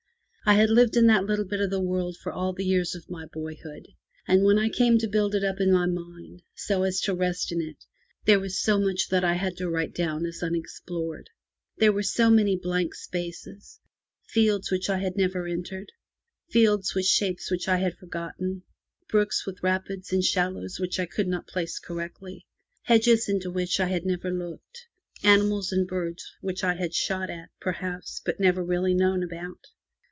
I had lived in that little bit of the world for all the years of my boyhood; but when I came to build it up in my mind, so as to rest in it, there was so much that I had to write down as unexplored. There were so many blank spaces, fields which I had never entered, fields with shapes which I had forgotten, brooks with rapids and shallows which I could not place correctly, hedges into which I had never looked, animals and birds which I had shot at, perhaps, but never really known about.